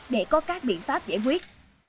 để có các biện pháp giải quyết